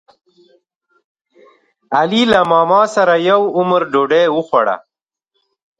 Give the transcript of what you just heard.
علي له ماماسره یو عمر ډوډۍ وخوړه.